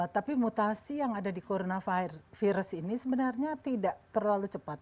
tapi mutasi yang ada di coronavirus ini sebenarnya tidak terlalu cepat